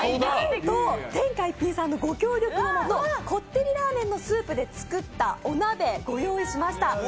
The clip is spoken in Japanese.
天下一品さんのご協力のもと、こってりラーメンのスープで作ったお鍋、ご用意しました。